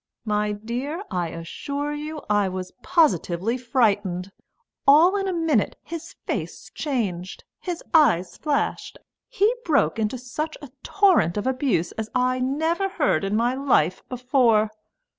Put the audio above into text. My dear, I assure you I was positively frightened. All in a minute his face changed, his eyes flashed, he broke into such a torrent of abuse as I never heard in my life before."